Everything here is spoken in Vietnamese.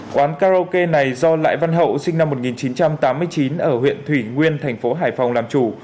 quán karaoke này do lại văn hậu sinh năm một nghìn chín trăm tám mươi chín ở huyện thủy nguyên thành phố hải phòng làm chủ